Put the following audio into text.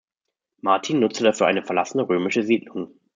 Martin nutzte dafür eine verlassene römische Siedlung.